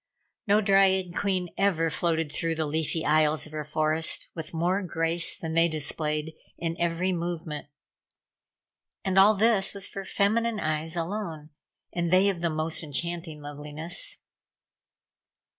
No dryad queen ever floated through the leafy aisles of her forest with more grace than they displayed in every movement. And all this was for feminine eyes alone and they of the most enchanting loveliness.